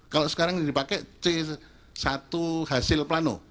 kalau sekarang dipakai c satu hasil plano